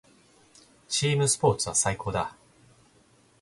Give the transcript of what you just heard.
チームスポーツは最高だ。